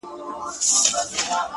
o دا ستا د حسن د اختر پر تندي،